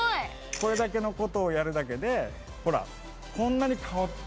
これだけのことをやるだけでほらこんなに顔って。